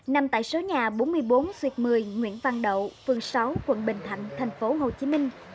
nằm tại số nhà bốn mươi bốn xuyệt một mươi nguyễn văn đậu phường sáu quận bình thạnh thành phố hồ chí minh